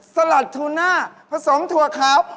สลัดทูน่าผสมถั่วขาว